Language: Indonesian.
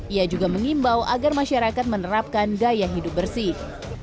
ia juga mengimbau agar masyarakat menerapkan gaya hidup bersih